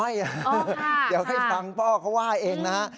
เดี๋ยวให้ฟังพ่อเขาว่าเองนะฮะ